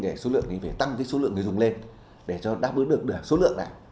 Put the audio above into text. để số lượng người dùng phải tăng lên để đáp ứng được số lượng này